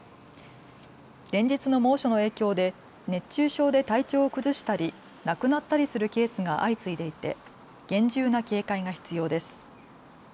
連日の猛暑の影響で熱中症で体調を崩したり亡くなったりするケースが相次いでいて厳重な警戒が必要です。